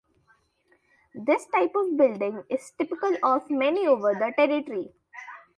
This type of building is typical of many over the territory.